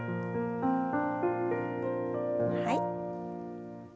はい。